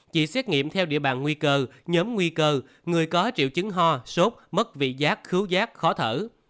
chỉ xét nghiệm theo địa bàn nguy cơ nhóm nguy cơ người có triệu chứng ho sốt mất vị giác khứu rác khó thở